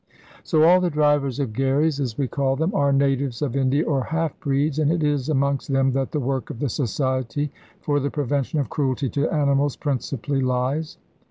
So all the drivers of gharries, as we call them, are natives of India or half breeds, and it is amongst them that the work of the Society for the Prevention of Cruelty to Animals principally lies.